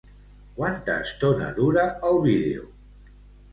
Quanta estona dura el vídeo?